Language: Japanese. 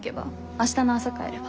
明日の朝帰れば？